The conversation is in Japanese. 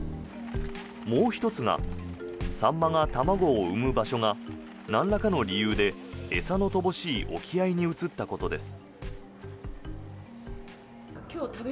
もう１つがサンマが卵を産む場所がなんらかの理由で餌の乏しい沖合に移ったことです。